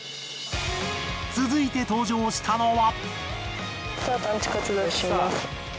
続いて登場したのは。